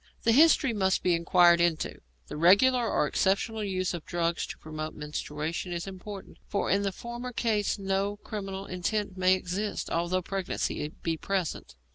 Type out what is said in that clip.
The history must be inquired into; the regular or exceptional use of drugs to promote menstruation is important, for in the former case no criminal intent may exist, although pregnancy be present.